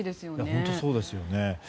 本当そうですよね。